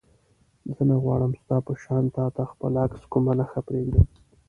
زه نه غواړم ستا په شان تا ته خپل عکس کومه نښه پرېږدم.